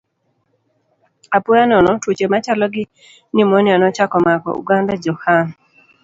Apoya nono, tuoche machalo gi pneumonia nochako mako oganda Jo-Hun.